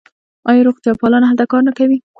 آیا روغتیاپالان هلته کار نه کوي؟